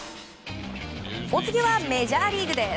お次はメジャーリーグです。